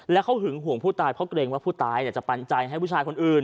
แล้วเขาหึงห่วงผู้ตายเพราะเกรงว่าผู้ตายจะปันใจให้ผู้ชายคนอื่น